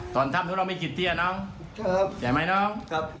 ตอนทำทุกคนไม่คิดเตี้ยน้องใช่ไหมน้อง